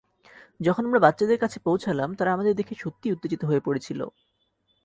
যখন আমরা বাচ্চাদের কাছে পৌঁছালাম তারা আমাদের দেখে সত্যিই উত্তেজিত হয়ে পড়েছিল।